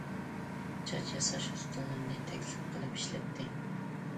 چاچ ياساش ئۇستىلىرىنى تەكلىپ قىلىپ ئىشلەتتى.